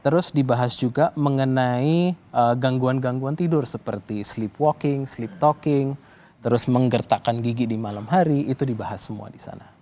terus dibahas juga mengenai gangguan gangguan tidur seperti sleep walking sleeptocking terus menggertakkan gigi di malam hari itu dibahas semua di sana